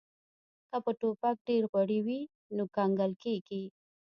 که په ټوپک ډیر غوړي وي نو کنګل کیږي